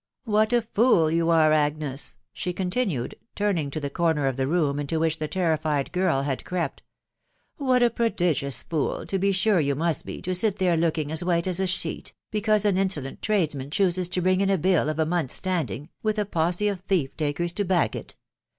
" What a fool you are, Agnes,*' she continued, turning to the corner of the room into which the terrified girl had crept, " what a prodigious fool, to be sure, you mug t be, to sit there looking as white as a sheet, be cause an insolent tradesman chooses to bring in a bill of a month's standing, with a posse of thief takers to back it.